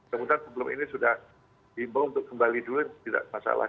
kemudian sebelum ini sudah diimbang untuk kembali dulu tidak masalah